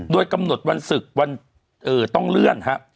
โดยกำหนดวันศึกวันต้องเลื่อนครับ